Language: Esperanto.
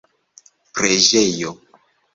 preĝejo